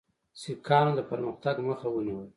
سیکهانو د پرمختګ مخه ونیوله.